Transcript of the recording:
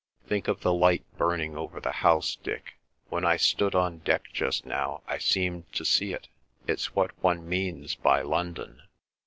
Think of the light burning over the House, Dick! When I stood on deck just now I seemed to see it. It's what one means by London."